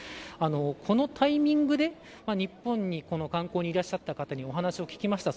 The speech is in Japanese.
このタイミングで日本に観光にいらっしゃった方にお話を聞きました。